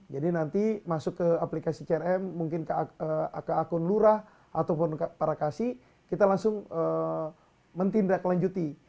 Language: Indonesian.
jadi nanti masuk ke aplikasi crm mungkin ke akun lurah ataupun ke parakasi kita langsung menindaklanjuti